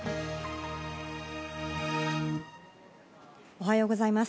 おはようございます。